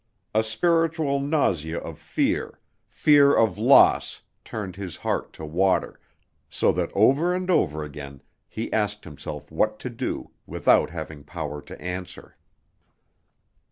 A spiritual nausea of fear, fear of loss, turned his heart to water, so that over and over again he asked himself what to do, without having power to answer.